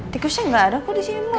tikusnya nggak ada kok di sini